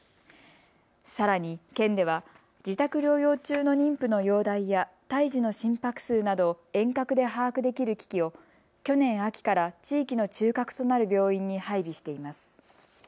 さらに、県では自宅療養中の妊婦の容体や胎児の心拍数などを遠隔で把握できる機器を去年秋から地域の中核となる病院に配備しています。